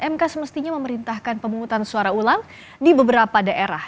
mk semestinya memerintahkan pemungutan suara ulang di beberapa daerah